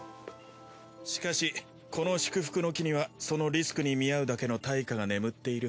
しかしこの祝福の樹にはそのリスクに見合うだけの対価が眠っている。